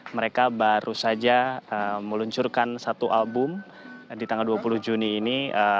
mereka baru saja meluncurkan satu album di tanggal dua puluh juni ini